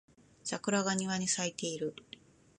桜が庭に咲いている